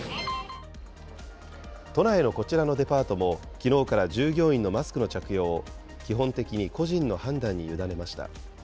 都内のこちらのデパートも、きのうから従業員のマスクの着用を、基本的に個人の判断に委ねました。